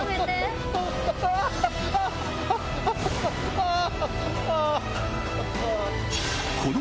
ああ。